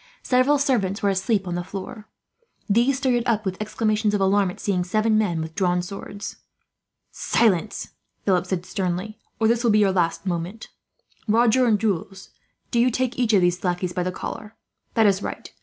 Several servants were asleep on the floor. These started up, with exclamations of alarm, at seeing seven men with drawn swords. "Silence!" Philip said sternly, "or this will be your last moment. "Roger and Jules, do you take each one of these lackeys by the collar. That is right.